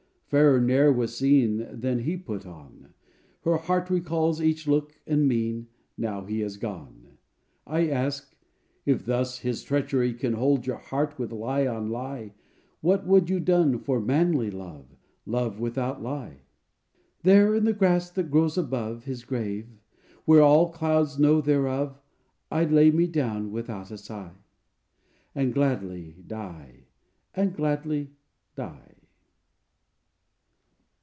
fairer ne'er was seen Than he put on: Her heart recalls each look and mien Now he is gone. I ask: "If thus his treachery Can hold your heart with lie on lie, What had you done for manly love, Love without lie?" "There in the grass that grows above His grave, where all could know thereof, I'd lay me down without a sigh, And gladly die, and gladly die."